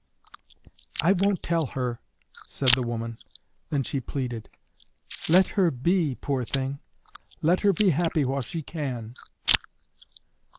"I won't tell her," said the woman; then she pleaded: "Let her be, poor thing! Let her be happy while she can."